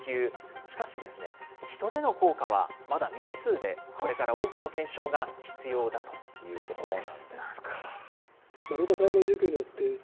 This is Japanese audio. しかしですね、人での効果はまだ未知数でこれから多くの検証が必要だということです。